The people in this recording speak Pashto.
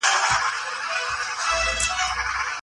خیر محمد د سګرټ په لیدو خفه شو.